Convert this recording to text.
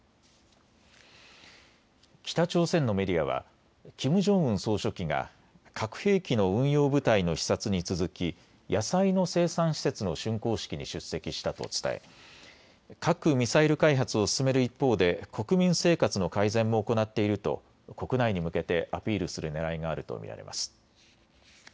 北朝鮮のメディアはキム・ジョンウン総書記が核兵器の運用部隊の視察に続き野菜の生産施設のしゅんこう式に出席したと伝え核・ミサイル開発を進める一方で国民生活の改善も行っていると国内に向けてアピールするねらいがあると見られます。